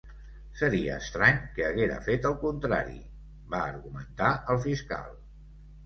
Seria estrany que haguera fet el contrari, va argumentar el fiscal.